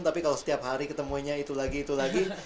tapi kalau setiap hari ketemunya itu lagi itu lagi